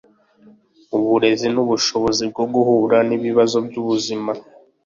uburezi nubushobozi bwo guhura nibibazo byubuzima.